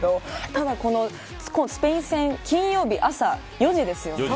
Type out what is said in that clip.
ただスペイン戦金曜日、朝４時ですよね。